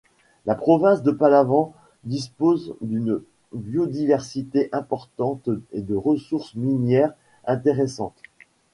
La Province de Palawan dispose d'une biodiversité importante et de ressources minières intéressantes.